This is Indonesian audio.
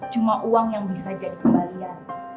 cuma uang yang bisa jadi kembalian